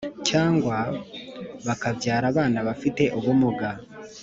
cyangwa bakabyara abana bafite ubumuga